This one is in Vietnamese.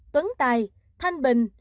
tuấn tài thanh bình